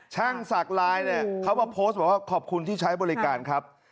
ช่างสักลายเนี่ยเขาก็โพสต์บอกขอบคุณที่ใช้บริการครับ